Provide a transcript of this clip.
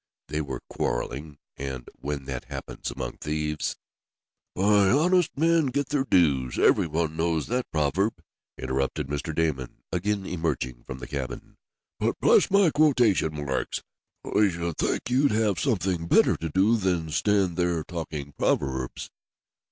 They were quarreling, and when that happens among thieves " "Why honest men get their dues, everyone knows that proverb," interrupted Mr. Damon, again emerging from the cabin. "But bless my quotation marks, I should think you'd have something better to do than stand there talking proverbs."